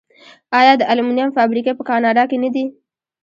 آیا د المونیم فابریکې په کاناډا کې نه دي؟